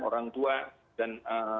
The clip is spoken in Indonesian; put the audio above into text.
orang tua dan